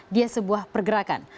dia sebuah pergerakan